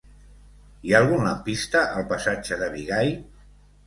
Hi ha algun lampista al passatge de Bigai?